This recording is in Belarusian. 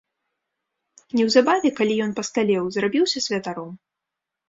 Неўзабаве, калі ён пасталеў, зрабіўся святаром.